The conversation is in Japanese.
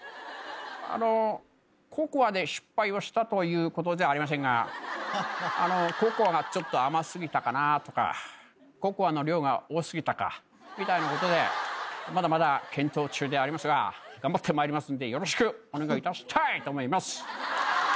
あのＣＯＣＯＡで失敗をしたということじゃありませんがあのＣＯＣＯＡがちょっと甘過ぎたかなとかＣＯＣＯＡの量が多過ぎたかみたいなことでまだまだ検討中ではありますが頑張ってまいりますんでよろしくお願いいたしたい！と思います。